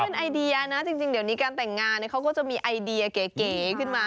เป็นไอเดียนะจริงเดี๋ยวนี้การแต่งงานเขาก็จะมีไอเดียเก๋ขึ้นมา